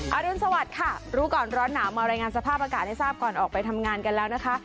อรุณสวัสดิ์ค่ะรู้ก่อนร้อนหนาวมารายงานสภาพอากาศให้ทราบก่อนออกไปทำงานกันแล้วนะคะ